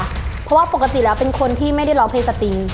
เพราะว่าปกติแล้วเป็นคนที่ไม่ได้ร้องเพลงสติง